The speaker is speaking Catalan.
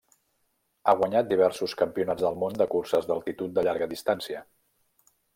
Ha guanyat diversos Campionats del Món de curses d'altitud de llarga distància.